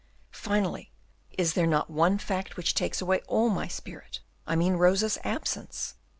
Finally, is there not one fact which takes away all my spirit, I mean Rosa's absence?